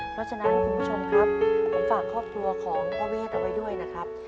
เพราะฉะนั้นคุณผู้ชมครับผมฝากครอบครัวของพ่อเวทเอาไว้ด้วยนะครับ